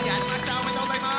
おめでとうございます！